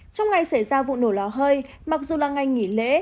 trong ngày xảy ra vụ nổ lò hơi mặc dù là ngày nghỉ lễ